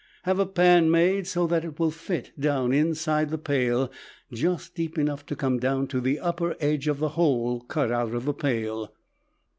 Have a pan made so that it will fit down inside the pail just deep enough to come down to upper edge of the hole cut out of pail.